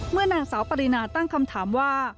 นางสาวปรินาตั้งคำถามว่า